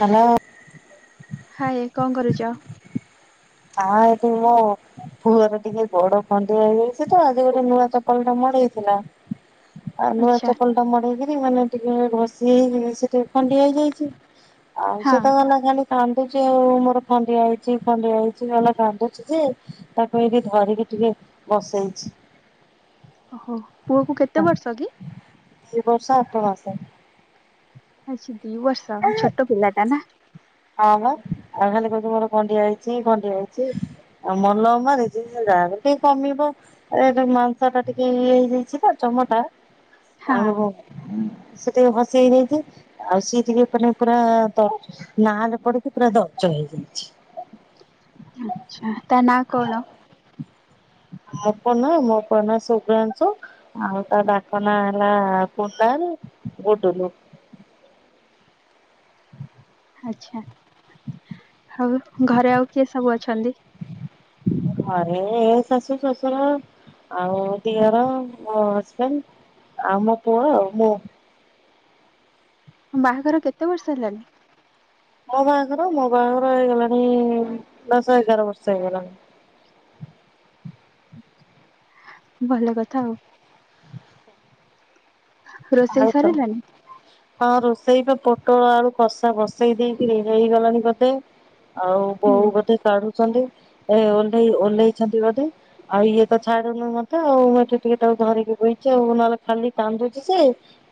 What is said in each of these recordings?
Hello. Hi କଁ କରୁଛ। ହଁ ଏଇଠି ମୁଁ ବା। ପୁଅର ଟିକେ ଗୋଡ଼ ଖଣ୍ଡିଆ ହେଇଯାଇଛି ତ ଆଜି ଗୋଟେ ନୂଆ ଚପଲ ଟା ମଡ଼େଇଥିଲା। ଆଉ ନୂଆ ଆଚ୍ଛା ଚପଲ ଟା ମଡେଇକିରି ମାନେ ଟିକେ ଘଷି ହେଇ ସେ ଟିକେ ଖଣ୍ଡିଆ ହେଇଯାଇଛି। ଆଉ ହଁ ସେ ତ ଗଲା ଖାଲି କାନ୍ଦୁଛି ଆଉ ମୋର ଖଣ୍ଡିଆ ହେଇଛି ଖଣ୍ଡିଆ ହେଇ ଚି ଗଲା କାନ୍ଦୁଛି ଯେ ତାକୁ ଏଇଠି ଧରିକି ଟିକେ ବସେଇଛି। ଓହୋ ପୁଅ କୁ କେତେ ବର୍ଷ କି। ଦି ବର୍ଷ ଆଠ ମାସେ। ଆଛା ଦି ବର୍ଷ ଛୋଟ ପିଲାଟା ନା। ହଁ ବା ଆଉ ଖାଲି କହୁଚି ମୋର ଖଣ୍ଡିଆ ହେଇଛି ଖଣ୍ଡିଆ ହେଇଛି। ଆଉ ମଲମ ମାରିଚି ସେ ଯାହା ବି ହେଲେ ଟିକେ କମିବ। ଏଇଆ ଯୋଉ ମାଂସ ଟା ଟିକେ ଇଏ ହେଇ ଯାଇଛି ତ ଚମ ଟା। ହଁ ଆଉ ଉଁ ସେ ଟିକେ ଘସି ହେଇ ଯାଇଛି ଆଉ ସିଏ ଟିକେ। ମାନେ ପୁରା ଦର ନାଲେ ପଡକି ପୁରା ଦରଜ ହେଇଯାଇଛି। ଆଛା ତା ନାଁ କଣ। ମୋ ପୁଏ ନାଁ। ମୋ ପୁଅ ନା ଶୁଭ୍ରାଂଶୁ। ଆଉ ତା ଡାକ ନାଁ ହେଲା କୁନାଲ ଗୁଡୁଲୁ। ଆଛା ଆଉ ଘରେ ଆଉ କିଏ ସବୁ ଅଛନ୍ତି। ଆରେ ଏ ଶାଶୁ ଶଶୁର ଆଉ ଦିଅର ମୋ ହଜବେଣ୍ଡ ଆମ ପୁଅ ଆଉ ମୁଁ ତମ ବାହାଘର କେତେ ବର୍ଷ ହେଲାଣି? ମୋ ବାହାଘର ମୋ ବାହାଘର ହେଇଗଲାଣି ଦଶ ଏଗାର ବର୍ଷ ହେଇଗଲାଣି ଭଲ କଥା ଆଉ ରୋଷେଇ ଆଉ ତ ସରିଲାଣି? ହଁ ରୋଷେଇ ବା ପୋଟଳ ଆଳୁ କଷା ବସେଇ ଦେଇକି ହେଇଗଲାଣି ବୋଧେ ଆଉ ହୁଁ ବୋଉ ବୋଧେ କାଢୁଛନ୍ତି ଏ ଓଲେଇ ଓହ୍ଲେଇଛନ୍ତି ବୋଧେ ଆଉ ଇଏ ତ ଛାଡୁନି ମତେ ଆଉ ମୁଁ ଏଠି ଟିକେ ତାକୁ ଧରିକି ବୋଇଛି ଆଉ ନହେଲେ ଖାଲି କାନ୍ଦୁଛି ସେ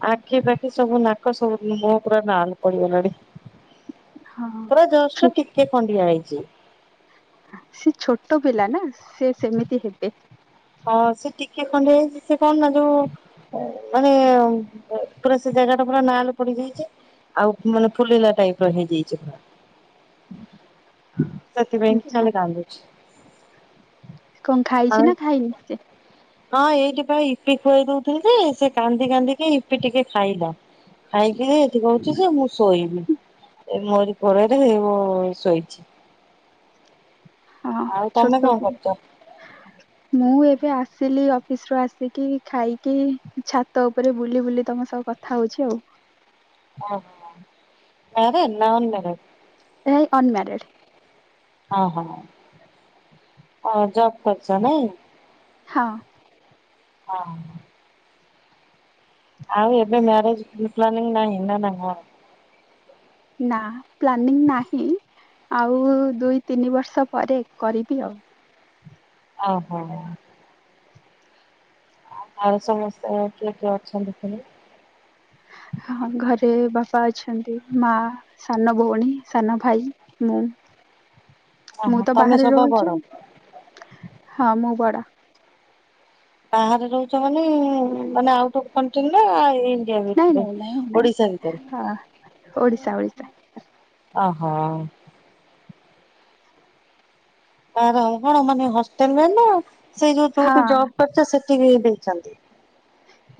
ଆଖି ପାଖି ସବୁ ନାକ ସବୁ ମୋ ପୁରା ନାଲ୍ ପଡିଗଲାଣି ହଁ ପୁରା ଛୋ ଜଷ୍ଟ ଟିକେ ଖଣ୍ଡିଆ ହେଇଛି ସେ ଛୋଟ ପିଲା ନା ସେ ସେମିତି ହେବେ ହଁ ସେ ଟିକେ ଖଣ୍ଡେ ସେ କଣ ନା ଯୋଉ ମାନେ ପୁରା ସେ ଜାଗା ଟା ପୁରା ନାଲ୍ ପଡି ଯାଇଛି ଆଉ ମାନେ ଫୁଲିଲା ଟାଇପ ର ହେଇଯାଇଛି ପୁରା [inaudible] ସେଥିପାଇଁ କି ଆଚ୍ଛା ନହେଲେ କାନ୍ଦୁଛି କଣ ଖାଇଛି ଆଉ ନା ଖାଇନି ସେ ହଁ ଏଇଥିି ପାଇଁ ଇପି ଖୁଆଇ ଦଉଥିଲି ଯେ ସେ କାନ୍ଦି କାନ୍ଦିକି ଇପି ଟିକେ ଖାଇଲା ଖାଇକି ଏଠି କହୁଛି ଯେ ମୁଁ ଶୋଇବି ଏ ମୋରି ପରେରେ ଶୋଇଛି ହଁ ଆଉ ଛୋଟ ତମେ କଣ ପିଲା କରୁଛ? ମୁଁ ଏବେ ଆସିଲି ଅଫିସ ରୁ ଆସିକି ଖାଇକି ଛାତ ଉପରେ ବୁଲି ବୁଲି ତମ ସବୁ କଥା ଖାଉଛି ଆଉ ଓ ହୋ ହ ଆରେନାରେ [unintelligible] ଏଇ ଅନମ୍ୟାରିଡ଼୍ ଓ ହୋ ଆଉ ଜବ କରଛ ନାଇଁ ହଁ ହଁ ଆଉ ଏବେ ମ୍ୟରେଜ ଫ୍ଲି ପ୍ଲାନିଙ୍ଗ ନାହିଁ ନା ନା କଣ ନା ପ୍ଲାନିଂ ନାହିଁ ଆଉ ଦୁଇ ତିନି ବର୍ଷ ପରେ କରିବି ଆଉ ଓହୋ ଆଉ ଘରେ ସମସ୍ତେ କିଏ କିଏ ଅଛନ୍ତି ସବୁ? ହଁ ଘରେ ବାପା ଅଛନ୍ତି ମା ସାନ ଭଉଣୀ ସାନ ଭାଇ ମୁଁ ମୁଁ ଓହୋ ତ ତମେ ବାହାରେ ସବା ବଡ? ରହୁଛି ହଁ ମୁଁ ବଡ ବାହାରେ ରହୁଛ ମାନେ ମାନେ ଆଉଟ କନଟ୍ରୀ ନା ଆଉ ଏଇ ଓ ନାଇଁ ଭିତରେ ନାଇଁ ଓଡିଶା ଭିତରେ ଓଡ଼ିଶା ଓଡ଼ିଶା ଆହୋ। ଆରେ ଆରେ କଣ ମାନେ ହଷ୍ଟେଲରେ ନା ସେଇ ଯୋଉ ହଁ ଯୋଉଠି ଜବ କରିଛ ସେଠି ବି ଦେଇଛନ୍ତି?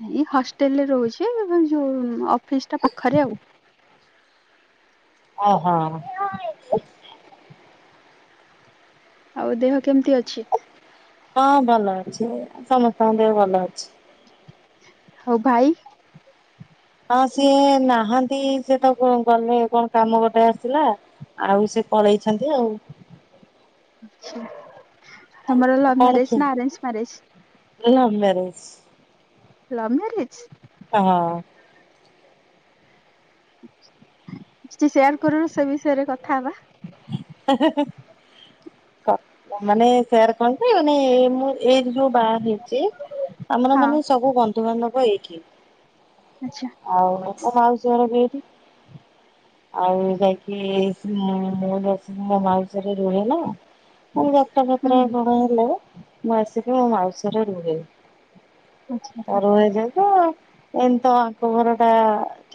ନାଇଁ ହଷ୍ଟେଲରେ ରହୁଛି ଯୋଉ ଅଫିସ ଟା ପାଖରେ ଆଉ। ଓହୋ। ଆଉ ଦେହ କେମିତି ଅଛି? ହଁ ଭଲ ଅଛି। ସମସ୍ତଙ୍କ ଦେହ ଭଲ ଅଛି। ହଉ ଭାଇ? ହଁ ସିଏ ନାହାନ୍ତି ସିଏ ତ ଗଲେ କଣ କାମ ଗୋଟେ ଆସିଲା। ଆଉ ସେ ପଳେଇଛନ୍ତି ଆଉ। ଆଚ୍ଛା ତମର ଲଭ ମ୍ୟାରେଜ ନା ଆରେଞ୍ଜ ମ୍ୟାରେଜ? ମୁଁ ଲଭ ମ୍ୟାରେଜ। Love marriage? ହଁ। କିଛି ସେୟାର କରୁନୁ ସେ ବିଷୟରେ କଥା ହବା। ହେ-ହେ-ହେ। ମାନେ ସେଆର କଣ ମାନେ ଏ ମୁଁ ଏଇ ଯୋଉ ବାହା ହେଇଛି ଆମର ହଁ ମାନେ ସବୁ ବନ୍ଧୁବାନ୍ଧବ ଏଇଠି। ଆଚ୍ଛା। ଆଉ ତ ମାଉସି ଘର ବି ଏଇଠି। ଆଉ ଯାଇକି ହୁଁ ମୁଁ ଦ ମୋ ମା ବିଷୟରେ ରୁହେ ନା ଏଇ ଯାତ୍ରା ହୁଁ ଫାତ୍ରା କଣ ହେଲେ ମୁଁ ଆସିକି ମୋ ମାଉସି ଘରେ ରୁହେ। ଆଚ୍ଛା। ରହେ ଯାଉଚି ଆଉ। ଏମିତି ଆଙ୍କ ଘର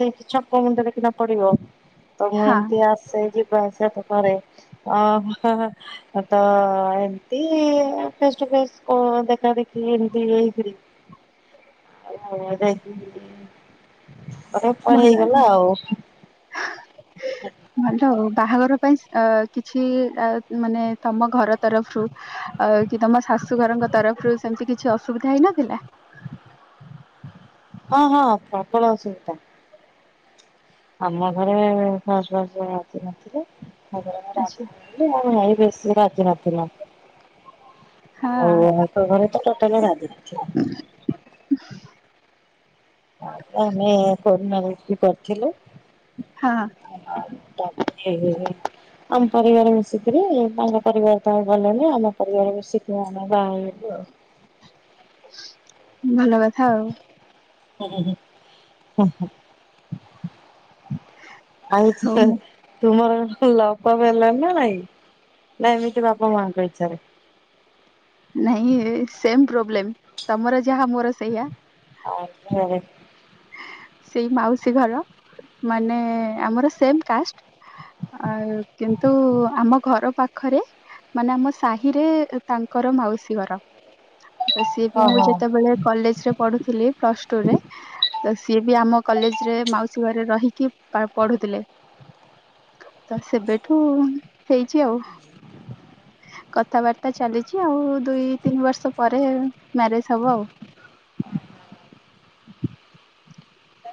ଟା ଛକ ମୁଣ୍ଡରେ କିନା ପଡ଼ିବ। ତ ମୁଁ ହଁ ଏମିତି ଆସେ ଯିବା ଆସିବା ତ କରେ ଅ ତ ଏମତି ଫେସ ଟୁ ଫେସ ଦେଖା ଦେଖି ଏମତି ହେଇକିରି ହଁ ଯାଇଥିଲି ତମ ପାଇଁ ଭଲ ଦେଇ ହେଲା ପାଇ। ଭଲ ଆ ବାହାଘର ପାଇଁ ଅ କିଛି ମାନେ ତମ ଘର ତରଫରୁ। ଆଉ କି ତମ ଶାଶୁ ଘରଙ୍କ ତରଫରୁ ସେମିତି କିଛି ଅସୁବିଧା ହେଇନଥିଲା? ହଁ ହଁ ପ୍ରବଳ ଅସୁବିଧା। ଆମ ଘରେ ଫାଷ୍ଟ ଫାଷ୍ଟ ରାଜି ନଥିଲେ ତା ପରେ ମୁଁ ଆଚ୍ଛା ରାଜି ନାଇଁ ବେଶୀ ରାଜି ନଥିଲ ହଁ ଆଉ ତାଙ୍କ ଘରେ ତ ଟୋଟାଲି ରାଜି ନଥିଲେ। ତାପରେ ଆମେ କରୋନା ବି କରିଥିଲୁ। ହଁ। ତାପ ଟିକୋ ହେ ହେ। ଆମ ପରିବାର ମିଶିକରି ତାଙ୍କ ପରିବାର ତମ ଭଲନି ଆମ ପରିବାର ମିଶିକି ଆମେ ବାହା ହେଲୁ ଆଉ। ଭଲ କଥା ଆଉ। ହଉ ହହ-ହଆଉ ମୁଁ ତୁମର ଲଭ ଫଭ ହେଲଣି ନା ନାଇଁ ନା ଏମିତି ବାପା ମାଙ୍କ ଇଛାରେ? ନାଇଁ ସେମ ପ୍ରୋବ୍ଲେମ ତମର ଯାହା ମୋର ସେଇଆ। ଆଉ ଫୁଅ ହେଇଛି। ସେଇ ମାଉସୀ ଘର ମାନେ ଆମର ସେମ କାଷ୍ଟ। ଆ କିନ୍ତୁ ଆମ ଘର ପାଖ ପାଖରେ ମାନେ ଆମ ସାହିରେ ତାଙ୍କର ମାଉସୀ ଘର। ତ ସିଏ ବି ମୁଁ ଓହୋ। ଯେତେବେଳେ କଲେଜରେ ପଢ଼ୁଥିଲି ପ୍ଲସ ଟୁରେ ତ ସିଏ ବି ଆମ କଲେଜ ରେ ମାଉସୀ ଘରେ ରହିକି ପଢୁଥିଲେ। ତ ସେବେଠୁ ହେଇଛି ଆଉ। କଥାବାର୍ତ୍ତା ଚାଲିଛି ଆଉ ଦୁଇ ତିନି ବର୍ଷ ପରେ ମ୍ୟାରେଜ ହବ ଆଉ।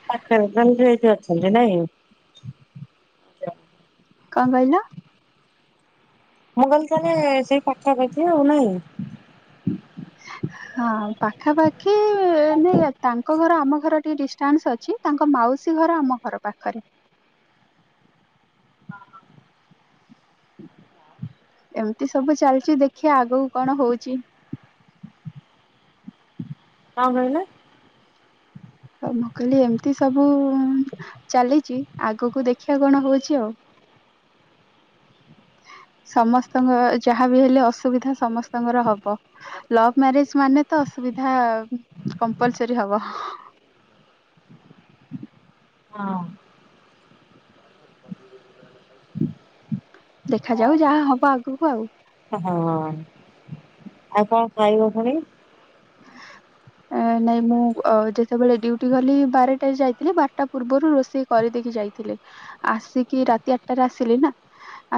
ଆଠଟାରେକଲେ ନଲେ ଜେବ୍ ଅଟ ନାଆକି। କଣ କହିଲ? ମୁଁ କହିଲି ତାହେଲେ ସେଇ ପାଖା ପାଖି ଆଉ ନହିଁ? ହଁ ପାଖାପାଖି ନାଇଁ ଆ ତାଙ୍କ ଘର ଆମ ଘର ଟିକେ ଡିଷ୍ଟାନ୍ସ ଅଛି। ତାଙ୍କ ମାଉସୀ ଘର ଆମ ଘର ପାଖରେ। ଏମିତି ସବୁ ଚାଲିଛି ଦେଖିଆ ଆଗକୁ କଣ ହଉଛି? କଣ କହିଲେ? ତ ମୁଁ କହିଲି ଏମିତି ସବୁ ଚାଲିଛି ଆଗକୁ ଦେଖିବା କଣ ହଉଛି ଆଉ। ସମସ୍ତଙ୍କ ଯାହାବି ହେଲେ ଅସୁବିଧା ସମସ୍ତଙ୍କର ହବ। ଲଭ ମ୍ୟାରେଜ ମାନେ ତ ଅସୁବିଧା କମ୍ପଲ୍ ସରି ହବ। ହଁ। ଦେଖାଯାଉ ଯାହା ହବ ଆଗୁକୁ ଆଉ। ହଁ ଆଉ କଣ ଖାଇବ ପୁଣି? ନାଇଁ ମୁଁ ଅ ଯେତେବେଳେ ଡୟୁଟି ଗଲି ବାରଟାରେ ଯାଇଥିଲି ବାରଟା ପୂର୍ବରୁ ରୋଷେଇ କରିଦେଇକି ଯାଇଥିଲି ଆସିକି ରାତି ଆଠଟାରେ ଆସିଲି ନା।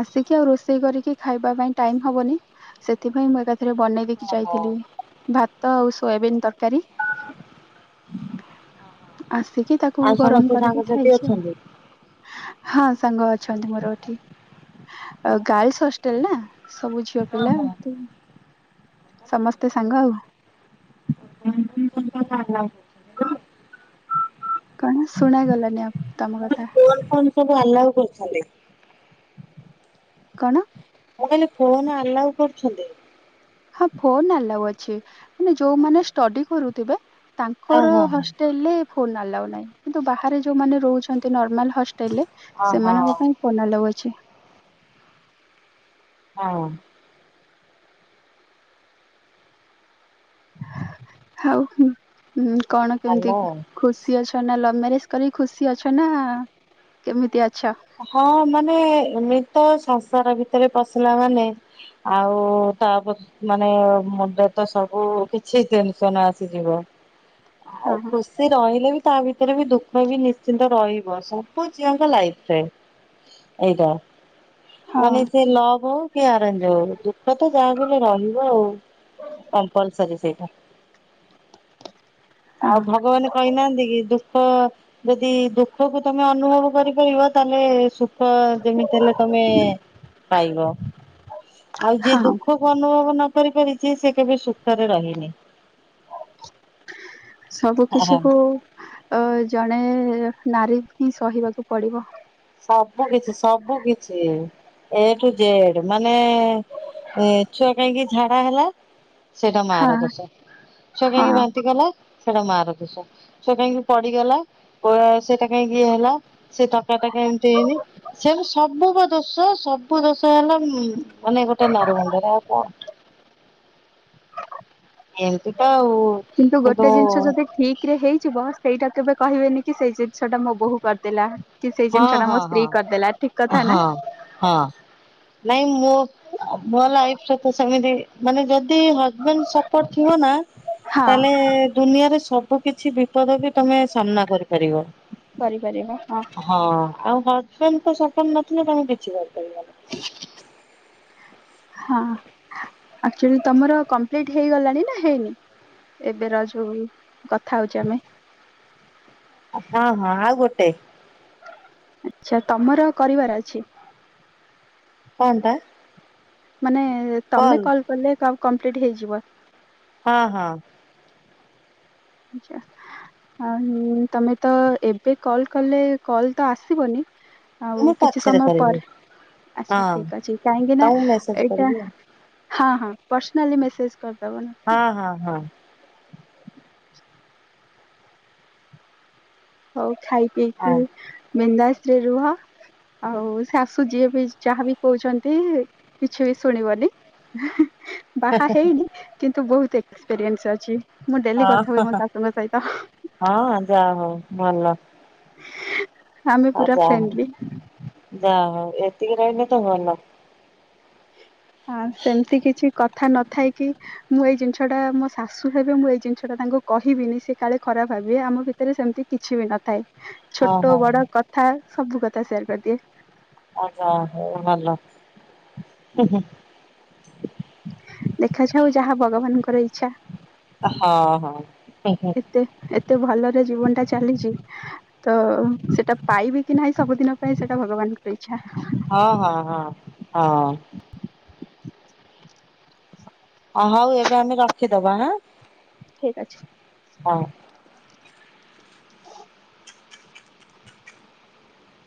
ଆସିକି ଆଉ ରୋଷେଇ କରିକି ଖାଇବା ପାଇଁ ଟାଇମ୍ ହବନି। ସେଥିପାଇଁ ମୁଁ ଏକାଥରେ ବନେଇ ଦେଇକି ଓହୋ। ଯାଇଥିଲି ଭାତ ଆଉ ସୋୟାବିିନ ତର କାରୀ ଆସିକି ତାକୁ ଆଉ ଗରମ ସମସ୍ତେ କରିକି ସାଙ୍ଗସାଥି ଖାଇଛି ଆଉ। ଅଛନ୍ତି? ହଁ ସାଙ୍ଗ ଅଛନ୍ତି ମୋର ଏଠି। ଅ ଗାର୍ଲ୍ସ ହଷ୍ଟେଲ ନା ସବୁ ଝିଅ ହଁ ପିଲା ଏମିତି। ସମସ୍ତେ ସାଙ୍ଗ ଆଉ। [unintelligible] କଣ ଶୁଣା ଗଲାନି ଆପ ତମ କଥା। କଣ କଣ ସବୁ ଆଲାଉ କରୁଛନ୍ତି? କଣ? ମୁଁ କହିଲି ଫୋନ ଆଲାଉ କରୁଛନ୍ତି? ହଁ ଫୋନ ଆଲାଉ ଅଛି ମାନେ ଯୋଉମାନେ ଷ୍ଟଡି କରୁଥିବେ ତା ହଁ ଙ୍କର ହଁ ହଁ। ହଷ୍ଟେଲ ରେ ଫୋନ୍ ଆଲାଉ ନାହିଁ କିନ୍ତୁ ବାହାରେ ଯୋଉମାନେ ରହୁଛନ୍ତି ନର୍ମାଲ ହଷ୍ଟେଲ ରେ ଓହୋ ସେମାନଙ୍କ ପାଇଁ ଫୋନ ଅଲାଓ ଅଛି। ହଁ। ଆଉ ହୁଁ କଣ ଭଲ କେମିତି? ଆଉ। ଖୁସି ଅଛ ନା ଲଭ ମ୍ୟାରେଜ କରିକ ଖୁସି ଅଛ ନା କେମିତି ଅଛ? ହଁ ମାନେ ଏମିତ ସଂସାର ଭିତରେ ପଶିଲା ମାନେ ଆଉ ତାପରେ ମାନେ ମୁଣ୍ଡ ତ ସବୁ କିଛି ଟେନସନ ଆସିଯିବ। ଆଉ ହଁ ଖୁସି। ସେ ରହିଲେ ବି ତା ଭିତରେ ବି ଦୁଃଖ ବି ନିଶ୍ଚିନ୍ତ ରହିବ ସବୁ ଝିଅଙ୍କ ଲାଇଫରେ। ଏଇଟା ହଁ ମାନେ ସେ ଲଭ ହଉ କି ଆରେଞ୍ଜେ ହଉ ଦୁ ଦୁଃଖ ତ ଯାହା ହେଲେ ରହିବ ଆଉ କମ୍ପୋଲ୍ସରୀ ସେଇଟା। ଆଉ ହଁ ଭଗବାନ କହିନାହାନ୍ତି କି ଦୁଃଖ ଯଦି ଦୁଃଖକୁ ତମେ ଅନୁଭବ କରି ପା ତାହେଲେ ସୁଖ ଯେମିତି ହେଲେ ତମେ ପାଇବ। ଆଉ ଯିଏ ହଁ ଦୁଃଖ କୁ ଅନୁଭବ ନ କରି ପାରିଛି ସେ କେବେ ସୁଖରେ ରହିନି। ସବୁ କିଛି କୁ ଅ ଜଣେ ନାରୀ ହିଁ ସହିବାକୁ ପଡିବ। ସବୁ କିଛି ସବୁ କିଛି ଏଠୁ ଜେଡ ମାନେ ଏ ଛୁଆ କାହିଁକି ଝାଡା ହେଲା? ସେଇଟା ହଁ ମାରଦୋଶ ଛୁଆ ହଁ କାହିଁକି ବାନ୍ତି କଲା? ସେଟା ମା ରଦୋଷ ସେ କାହିଁକି ପଡିଗଲା ଓ ସେଟା କାଇହିଁକି ଇଏ ହେଲା ସେ ଏମତି ହେଇନି ସେ ସବୁ କ ଦୋଶ୍ ସବୁ ଦୋଷ ହେଲା ମାନେ ଗୋଟେ ନାରି ମୁଣ୍ଡରେ ଆଉ କଣ। ଏମତି ତ ଆଉ। କିନ୍ତୁ ଗୋଟେ ଜିନିଷ ଯଦି ଠିକ କିରେ ହେଇଯିବ ସେଇଟା କେବେ କହିବେନି କି ସେଇ ଜିନିଷ ଟା ମୋ ବୋହୁ କରିଦେଲା। କି ସେଇ ହଁ ଜିନିଷ ଟା ହଁ ମୋ ହଁ ସ୍ତ୍ରୀ କରିଦେଲା ଠିକ କଥା ନା? ହଁ ହଁ ନାଇଁ ମୋ ମୋ ଲାଇଫ ସହିତ ସେମିତି ମାନେ ଯ ଯଦି ହଜବେଣ୍ଡ ସପୋର୍ଟ ଥିବ ନା ହଁ। ତାଲେ ଦୁନିଆରେ ସବୁ କିଛି ବିପଦ ବି ତମେ ସାମ୍ନା କରିପାରିବ। କରିପାରିବା ହଁ। ହଁ ଆଉ ହଜବେଣ୍ଡ ସପୋର୍ଟ ନଥିଲେ ତମେ କିଛି କରିପାରିବନି। ହଁ ଆଚୁଅଲି ତମର କମ୍ପ୍ଲିଟ ହେଇଗଲାଣି ନା ହେଇନି? ଏବେର ଯୋଉ କଥା ହଉଚେ ଆମେ? ହଁ ହଁ ଆଉ ଗୋଟେ। ଆଛା ତମର କରିବାର ଅଛି? ପଣ୍ଡା। ମାନେ ତମେ କଲ କଲେ କ କମ୍ପ୍ଲିଟ ହେଇଯିବ? ହଁ ହଁ। ଯାଆ। ଆଉ ତମେ ତ ଏବେ କଲ କଲେ କଲ ତ ଆସିବନି। ଆଉ ମୁଁ କିଛି ପଛରେ ସମୟ କରିବି ପରେ ଆଚ୍ଛା ହଁ ଠିକ ଅଛି କାହିଁକି ନା ତମକୁ ମେସେଜ ଏଇଟା କରିବି ହଁ ହଁ ପର୍ସନାଲି ମେସେଜ କରିଦେବ ନା। ହଁ ହଁ ହଁ। ହଉ ଖାଇ ପିଇକି ହଁ। ବିନ୍ଦାସରେ ରୁହ। ଆଉ [unintelligible] ଶାଶୁ ଯିଏ ବି ଯାହାବ କହୁଛନ୍ତି କିଛି ବି ଶୁଣିବନି। ବାହା ହେଇନି କିନ୍ତୁ ବହୁତୁ ଏକ୍ସପିରିଏସ ଅଛି ମୁଁ ଡେଲି ହଁ। କଥା ହୁଏ ମୋ ଶାଶୁଙ୍କ ସହିତ। ହଁ ଯା ହଉ ଭଲ। ଆମେ ହଉ ପୁରା ଯା ହଉ ଫ୍ରେଣ୍ଡଲି ଯା ହଉ ଏତିକି ରହିଲେ ତ ଭଲ। ହଁ ସେମିତି କିଛି କଥା ନଥାଇ କିି ମୁଁ ଏଇ ଜିନିଷ ଟା ମୋ ଶାଶୁ ହେବେ ମୁଁ ଏଇ ଜିନିଷ ଟା ତାଙ୍କୁ କହିବିନି ସେ କାଳେ ଖରାପ ଭାବିବେ ଆମ ଭିତରେ ସେମିତି କିଛି ବି ନଥାଏ ହଁ ଛୋଟ ହଁ ବଡ କଥା ସବୁ କଥା ସେୟାର କରିଦିଏ। ଆଯା ହଉ ଭଲ ହୁଁ ହୁଁ। ଦେଖାଯାଉ ଯାହା ଭଗବାନଙ୍କର ଇଚ୍ଛା। ହଁ ହଁ ହୁଁ ହୁଁ। ତେ ଏତେ ଭଲରେ ଜୀବନ ଟା ଚାଲିଛି। ତ ସେଟା ପାଇବି କି ନାହିଁ ସବୁଦିନ ପାଇଁ ସେଟା ଭଗବାନଙ୍କର ଇଛା। ହଁ ହଁ ହଁ ହଁ। ଅ ହଉ ଏବେ ଆମେ ରଖିଦବା ହଁ। ଠିକ ଅଛି। ହଁ। [inaudible]